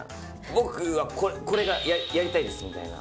僕はこれがやりたいですみたいな。